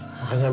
di got yut